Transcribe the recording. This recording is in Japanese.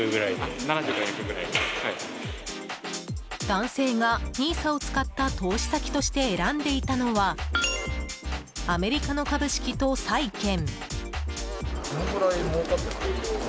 男性がＮＩＳＡを使った投資先として選んでいたのはアメリカの株式と債券。